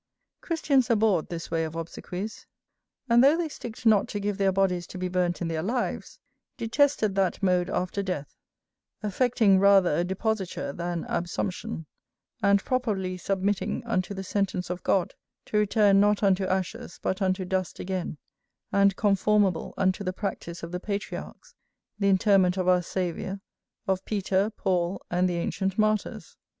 Christians abhorred this way of obsequies, and though they sticked not to give their bodies to be burnt in their lives, detested that mode after death: affecting rather a depositure than absumption, and properly submitting unto the sentence of God, to return not unto ashes but unto dust again, and conformable unto the practice of the patriarchs, the interment of our Saviour, of Peter, Paul, and the ancient martyrs.